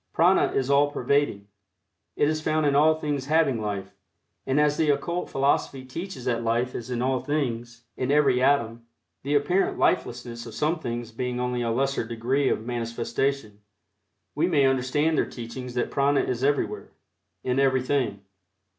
Prana is all pervading. It is found in all things having life, and as the occult philosophy teaches that life is in all things in every atom the apparent lifelessness of some things being only a lesser degree of manifestation, we may understand their teachings that prana is everywhere, in everything.